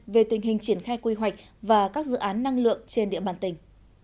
về tình hình triển khai quy hoạch và các dự án năng lượng trên địa bàn tỉnh